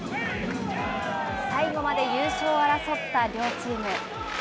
最後まで優勝を争った両チーム。